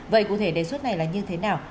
vậy cụ thể đề xuất này là như thế nào